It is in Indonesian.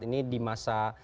ini di masa